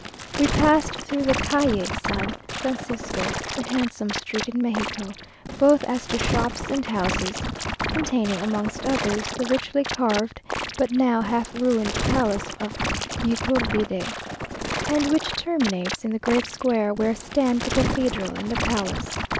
We passed through the Calle San Francisco, the handsomest street in Mexico, both as to shops and houses (containing, amongst others, the richly carved but now half ruined palace of Yturbide), and which terminates in the great square where stand the cathedral and the palace.